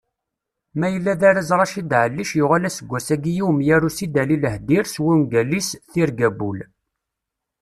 Ma yella d arraz Raccid Ɛallic yuɣal aseggas-agi i umyaru Sidali Lahdir s wungal-is Tirga n wul.